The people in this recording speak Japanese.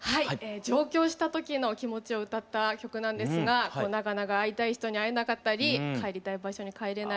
上京したときの気持ちを歌った曲なんですがなかなか会いたい人に会えなかったり帰りたい場所に帰れない。